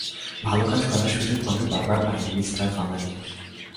ভালো কাজ করার সুযোগ মানুষ বারবার পায় না, মিস্টার ফার্নান্ডেজ।